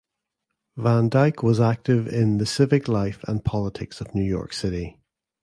Van Dyck was active in the civic life and politics of New York City.